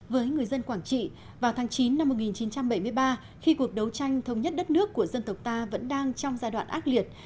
với người dân quảng trị vào tháng chín năm một nghìn chín trăm bảy mươi ba khi cuộc đấu tranh thống nhất đất nước của dân tộc ta vẫn đang trong giai đoạn ác liệt